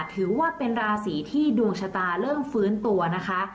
ถือว่าเป็นราศีที่ดวงชะตาเริ่มฟื้นตัวนะคะ